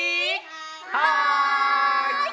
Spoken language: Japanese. はい！